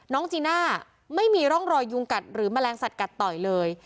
จีน่าไม่มีร่องรอยยุงกัดหรือแมลงสัตวกัดต่อยเลย